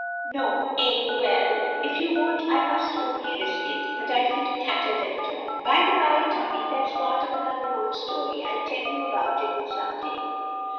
No? Eh? Well if you won't I must only risk it. But I feel tattered and torn. By the bye, Tommy, that's part of another old story. I'll tell you about it some day."